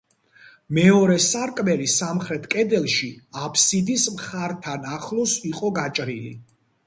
მეორე სარკმელი სამხრეთ კედელში აფსიდის მხართან ახლოს იყო გაჭრილი.